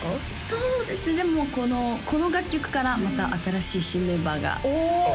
そうですねでもこの楽曲からまた新しい新メンバーがおおっ！